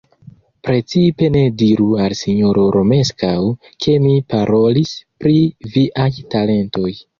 Precipe ne diru al sinjoro Romeskaŭ, ke mi parolis pri viaj talentoj.